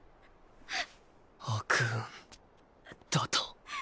悪運だと？